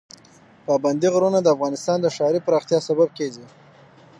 پابندی غرونه د افغانستان د ښاري پراختیا سبب کېږي.